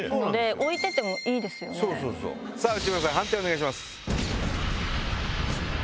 内村さん判定をお願いします。